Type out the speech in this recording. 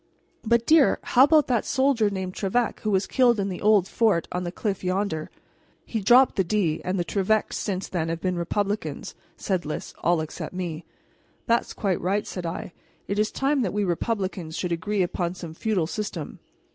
But, dear, how about that soldier named Trevec who was killed in the old fort on the cliff yonder?" "He dropped the de, and the Trevecs since then have been Republicans," said Lys "all except me." "That's quite right," said I; "it is time that we Republicans should agree upon some feudal system.